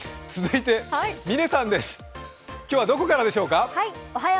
嶺さんです、今日はどこからでしょうか？